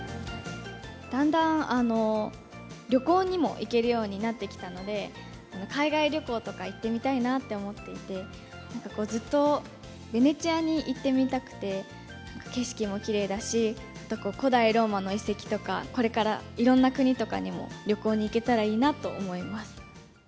だんだん旅行にも行けるようになってきたので、海外旅行とか、行ってみたいなって思っていて、なんかずっとベネチアに行ってみたくて、景色もきれいだし、古代ローマの遺跡とか、これからいろんな国とかにも旅行に行けたらいいなと思います。